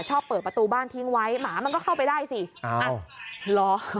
เปิดประตูบ้านทิ้งไว้หมามันก็เข้าไปได้สิอ่ะเหรอ